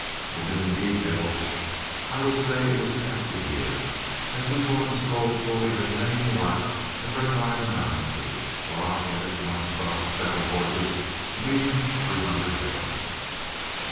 Omitting details, I will say it was an active year, as we bought and sold fully as many more as our drive amounted to, while I added to my stock of saddle horses an even three hundred head.